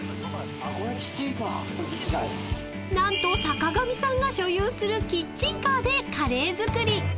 ［何と坂上さんが所有するキッチンカーでカレー作り］